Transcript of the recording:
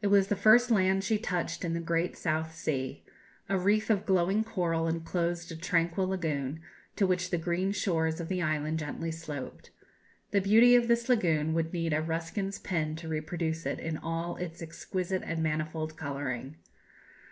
It was the first land she touched in the great South Sea. A reef of glowing coral enclosed a tranquil lagoon, to which the green shores of the island gently sloped. The beauty of this lagoon would need a Ruskin's pen to reproduce it in all its exquisite and manifold colouring.